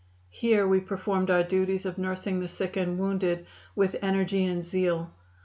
Here we performed our duties of nursing the sick and wounded with energy and zeal.